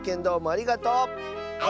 ありがとう！